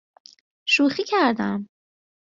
شوخی کردم